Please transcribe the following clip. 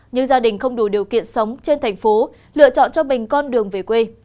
những gia đình không đủ điều kiện sống trên thành phố lựa chọn cho mình con đường về quê